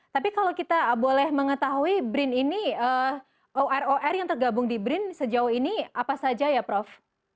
tapi kalau kita boleh mengetahui brin ini oror yang tergabung di brin sejauh ini apa saja ya prof